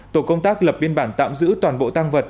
tổ công tác lập biên bản tạm giữ toàn bộ tăng vật